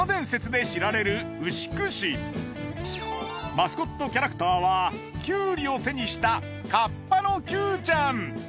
マスコットキャラクターはキュウリを手にしたカッパのキューちゃん。